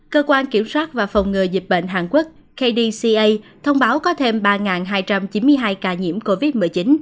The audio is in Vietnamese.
cơ quan kiểm soát và phòng ngừa dịch bệnh hàn quốc kdca thông báo có thêm ba hai trăm chín mươi hai ca nhiễm covid một mươi chín